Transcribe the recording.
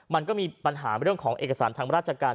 มันก็มีปัญหาเรื่องของเอกสารทางราชการ